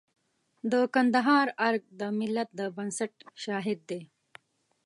د کندهار ارګ د ملت د بنسټ شاهد دی.